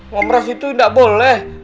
memeras itu gak boleh